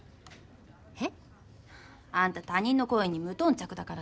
えっ？あんた他人の好意に無頓着だからさ。